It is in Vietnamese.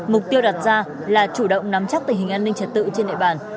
mục tiêu đặt ra là chủ động nắm chắc tình hình an ninh trật tự trên đại bản